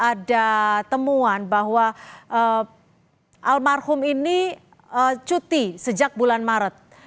ada temuan bahwa almarhum ini cuti sejak bulan maret